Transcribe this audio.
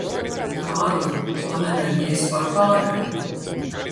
Kārli, man enerģijas pārpārēm.